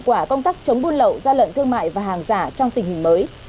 căn cứ và kết quả công tác chống buôn lậu ra lận thương mại và hàng giả trong tình hình mới